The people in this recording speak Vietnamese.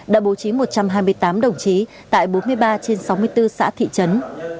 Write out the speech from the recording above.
đã bố trí một trăm hai mươi tám đồng chí tại bốn mươi ba trên sáu mươi bốn xã thị trấn